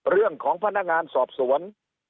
เรื่องของพนักงานสอบสวน